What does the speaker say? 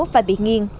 và bị nghiêng